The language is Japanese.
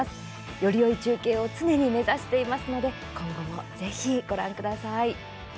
よりよい中継を常に目指していますので今後も、ぜひご覧ください。